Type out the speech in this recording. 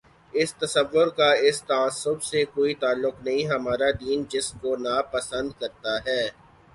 اس تصور کا اس تعصب سے کوئی تعلق نہیں، ہمارا دین جس کو ناپسند کر تا ہے۔